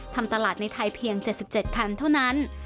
ทำตลาดในไทยเพียง๗๗คันเท่านั้น